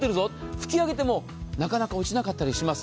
拭き上げてもなかなか落ちなかったりします。